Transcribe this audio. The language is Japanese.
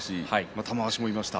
玉鷲もいました。